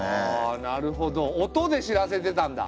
あなるほど音で知らせてたんだ。